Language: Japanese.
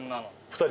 ２人？